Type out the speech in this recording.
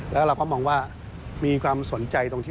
และเราก็มองว่ามีความสนใจว่า